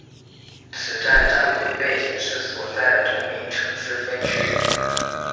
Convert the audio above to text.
此站站名背景是所在的同名城市分区。